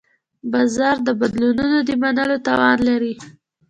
بازار د بدلونونو د منلو توان لري.